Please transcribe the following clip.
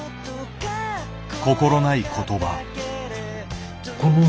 心ない言葉。